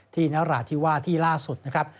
นราธิวาสที่ล่าสุดนะครับ